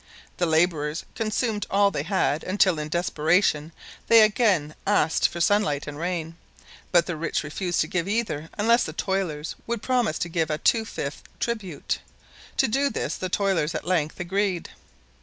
The laborers consumed all they had until, in desperation, they asked again for sunlight and rain, but the rich refused to give either unless the toilers would promise to give a two fifths tribute; to do this the toilers at length agreed.